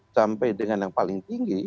sampai dengan yang paling tinggi